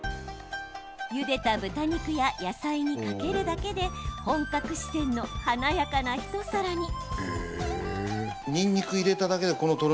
ゆでた豚肉や野菜にかけるだけで本格四川の華やかな一皿に。